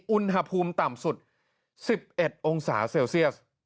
อุณหภูมิต่ำสุด๑๑องศาเซลเซียส